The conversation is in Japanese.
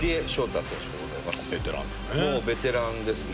ベテランですね。